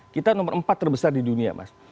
kita nomor empat terbesar di dunia mas